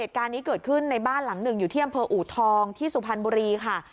เหตุการณ์นี้เกิดขึ้นในบ้านหลังหนึ่งอยู่ที่อำเภออูทองที่สุพรรณบุรีค่ะ